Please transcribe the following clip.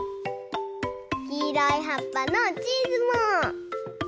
きいろいはっぱのチーズも。